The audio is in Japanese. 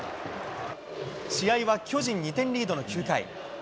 試合は巨人２点リードの９回。